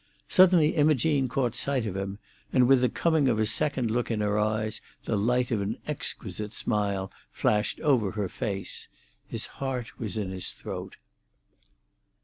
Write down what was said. Suddenly Imogene caught sight of him, and with the coming of a second look in her eyes the light of an exquisite smile flashed over her face. His heart was in his throat.